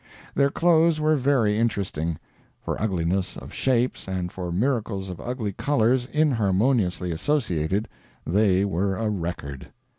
Their clothes were very interesting. For ugliness of shapes, and for miracles of ugly colors inharmoniously associated, they were a record.